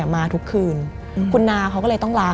มันกลายเป็นรูปของคนที่กำลังขโมยคิ้วแล้วก็ร้องไห้อยู่